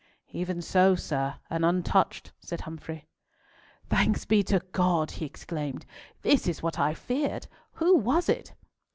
"Even so, sir, and untouched," said Humfrey. "Thanks be to God!" he exclaimed. "This is what I feared. Who was it?"